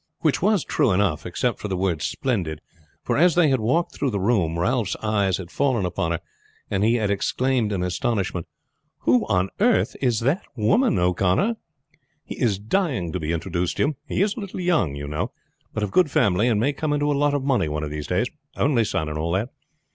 Which was true enough, except for the word "splendid;" for as they had walked through the room Ralph's eyes had fallen upon her, and he had exclaimed in astonishment, "Who on earth is that woman, O'Connor?" "He is dying to be introduced to you. He is a little young, you know; but of good family, and may come into a lot of money one of these days. Only son, and all that.